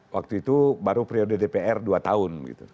waktu itu baru periode dpr dua tahun